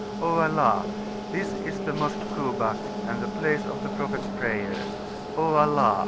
O Allah! this is the Mosque Kuba, and the Place of the Prophet's Prayers. O Allah!